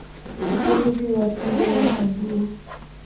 Uteuzi wa Tuzo ya Chaguo.